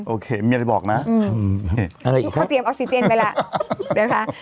โอเคมีอะไรบอกนะเขาเตรียมออสซิเจนไปแล้วนะคะ